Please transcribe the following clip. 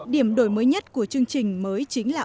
điểm đổi mới nhất của chương trình mới chính là